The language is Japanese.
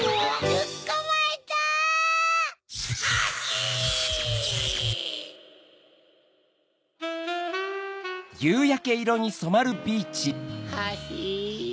つかまえた！ハヒ！ハヒ。